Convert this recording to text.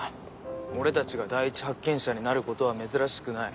俺たちが第一発見者になることは珍しくない。